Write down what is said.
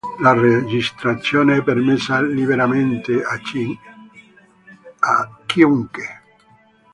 La registrazione è permessa liberamente a chiunque.